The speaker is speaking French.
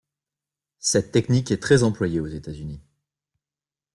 Cette technique est très employée aux États-Unis.